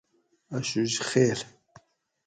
اشوج خیل